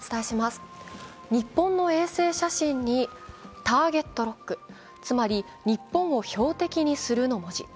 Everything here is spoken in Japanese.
日本の衛星写真に「ＴＡＲＧＥＴＬＯＣＫ」、つまり、「日本を標的にする」の文字。